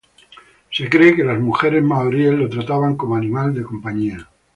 Se cree que las mujeres maoríes lo trataban como animal de compañía.